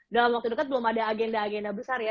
dalam waktu dekat belum ada agenda agenda besar ya